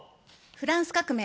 フランス革命